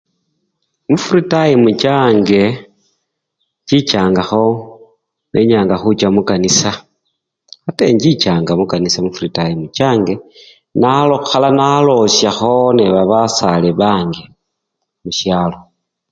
mu-frii tayimu change, inchichangaho-nenyanga hucha mukanisa, ate inchichanga mukanisa mu-frii tayimu change nalo-mala naloshaho nebasale bange hushalo